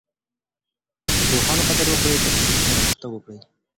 د پوهانو قدر وکړئ ترڅو پرمختګ وکړئ.